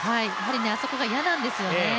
あそこが嫌なんですよね、